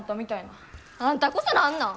あんたこそ何なん！？